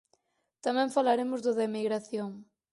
Tamén falaremos do da emigración.